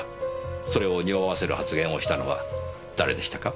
それをにおわせる発言をしたのは誰でしたか？